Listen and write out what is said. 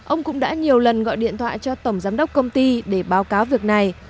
ông cũng đã nhiều lần gọi điện thoại cho tổng giám đốc công ty để báo cáo việc này